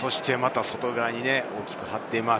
外側にまた大きく張っています。